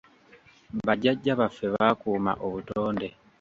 Ba jjajja baffe baakuuma obutonde.